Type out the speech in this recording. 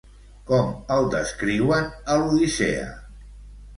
Com el descriuen a l'Odissea?